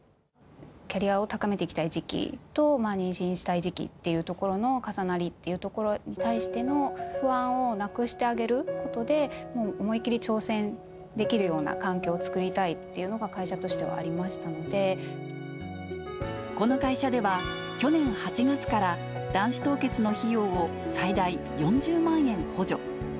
キャリアを高めていきたい時期と、妊娠したい時期っていうところの重なりっていうところに対しての不安をなくしてあげることで、思いっ切り挑戦できるような環境を作りたいっていうのが、会社とこの会社では、去年８月から卵子凍結の費用を最大４０万円補助。